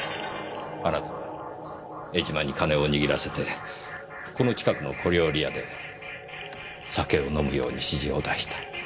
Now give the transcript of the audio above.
あなたは江島に金を握らせてこの近くの小料理屋で酒を飲むように指示を出した。